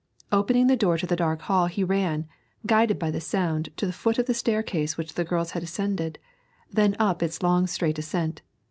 Opening the door to the dark hall he ran, guided by the sound, to the foot of the staircase which the girls had ascended, then up its long straight ascent.